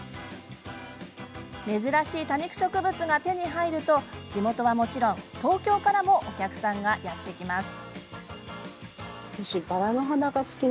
珍しい多肉植物が手に入ると地元はもちろん、東京からもお客さんがやって来ます。